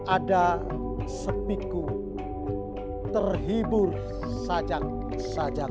ada sepiku terhibur sajak sajak